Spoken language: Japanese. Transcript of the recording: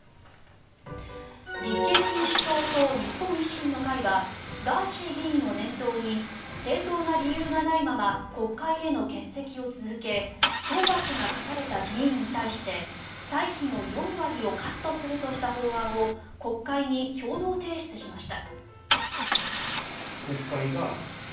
立憲民主党と日本維新の会はガーシー議員を念頭に正当な理由がないまま国会への欠席を続け懲罰が科された議員に対して歳費の４割をカットするとした法案を国会に共同提出しました。